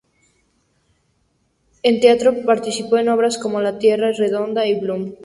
En teatro, participó en obras como "La tierra es redonda" y "Blum".